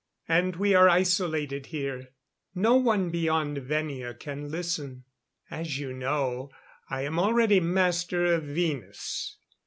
And we are isolated here no one beyond Venia can listen. As you know, I am already Master of Venus.